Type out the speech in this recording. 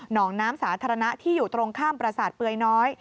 น้องน้ำสาธารณะที่อยู่ตรงข้ามประสาทเปลือยน้อย